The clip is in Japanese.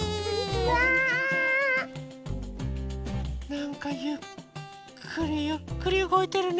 なんかゆっくりゆっくりうごいてるね。